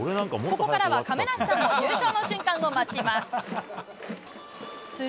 ここからは亀梨さんも優勝の瞬間を待ちます。